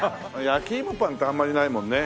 焼き芋パンってあんまりないもんね。